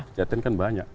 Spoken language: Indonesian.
pejaten kan banyak